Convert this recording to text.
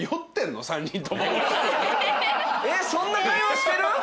えっそんな会話してる？